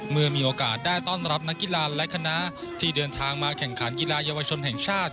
เมื่อมีโอกาสได้ต้อนรับนักกีฬาและคณะที่เดินทางมาแข่งขันกีฬาเยาวชนแห่งชาติ